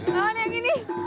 lawan yang ini